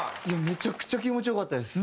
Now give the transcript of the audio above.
めちゃくちゃ気持ち良かったです。